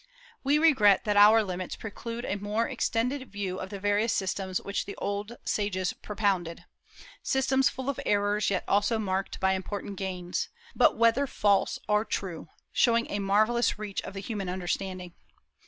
We regret that our limits preclude a more extended view of the various systems which the old sages propounded, systems full of errors yet also marked by important gains, but, whether false or true, showing a marvellous reach of the human understanding.